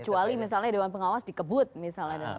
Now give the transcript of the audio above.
kecuali misalnya dewan pengawas dikebut misalnya